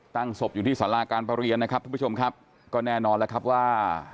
ตั้งศพอยู่ที่สาราการประเรียนนะครับทุกผู้ชมครับก็แน่นอนแล้วครับว่า